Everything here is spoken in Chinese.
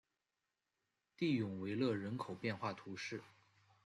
蒂永维勒人口变化图示